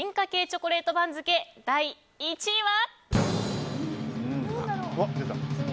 チョコレート番付第１位は。